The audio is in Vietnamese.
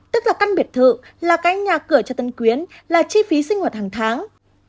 tức là căn biệt thự là cái nhà cửa cho tân quyến là chi phí sinh hoạt hàng tháng